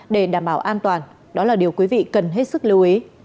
để đảm bảo an toàn đó là điều quý vị cần hết sức lưu ý